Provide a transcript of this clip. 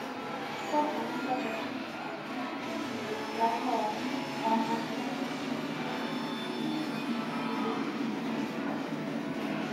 kikubwa hanaga tatizo na jamii yoyote ukiacha wamasai waliokuwa wanatuibia ngombe zetu enzi na